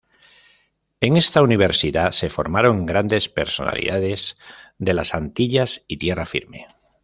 En esta universidad se formaron grandes personalidades de las Antillas y Tierra Firme.